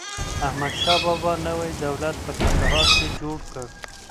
احمدشاه بابا نوی دولت په کندهار کي جوړ کړ.